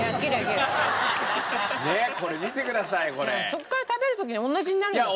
そこから食べる時に同じになるんだから。